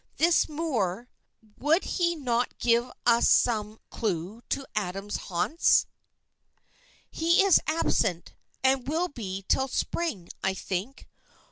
This Moor, would he not give us some clue to Adam's haunts?" "He is absent, and will be till spring, I think.